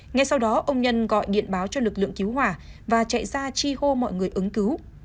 ngay sau đó ông nhân gọi điện báo cho lực lượng cứu hỏa và chạy ra chi hô mọi người ứng cứu